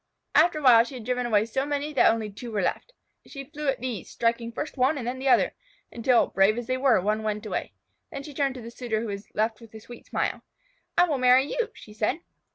After a while she had driven away so many that only two were left. She flew at these, striking first one and then the other, until, brave as they were, one went away. Then she turned to the suitor who was left with a sweet smile. "I will marry you," she said.